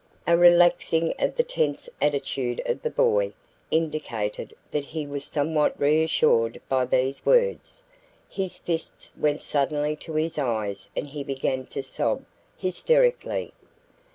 A relaxing of the tense attitude of the boy indicated that he was somewhat reassured by these words. His fists went suddenly to his eyes and he began to sob hysterically.